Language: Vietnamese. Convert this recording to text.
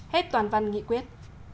hết toàn văn nghị quyết